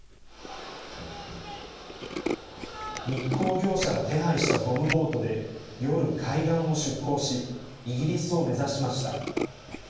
密航業者が手配したゴムボートで夜、海岸を出航し、イギリスを目指しました。